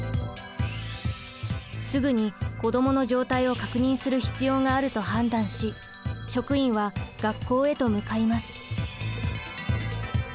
すぐに子どもの状態を確認する必要があると判断し職員は学校へと向かいます。